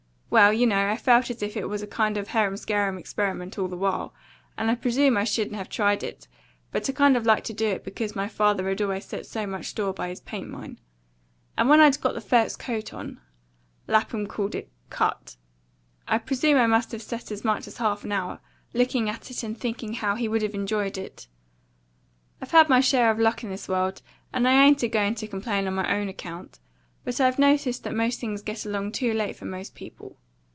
Well, you know, I felt as if it was a kind of harumscarum experiment, all the while; and I presume I shouldn't have tried it but I kind of liked to do it because father'd always set so much store by his paint mine. And when I'd got the first coat on," Lapham called it CUT, "I presume I must have set as much as half an hour; looking at it and thinking how he would have enjoyed it. I've had my share of luck in this world, and I ain't a going to complain on my OWN account, but I've noticed that most things get along too late for most people.